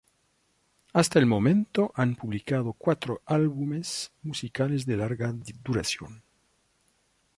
Hasta el momento han publicado cuatro álbumes musicales de larga duración.